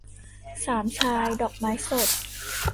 สามชาย - ดอกไม้สด